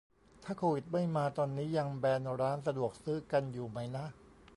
ถ้าโควิดไม่มา ตอนนี้ยังแบนร้านสะดวกซื้อกันอยู่ไหมนะ